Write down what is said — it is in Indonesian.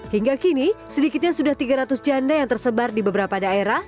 hingga kini sedikitnya sudah tiga ratus janda yang tersebar di beberapa daerah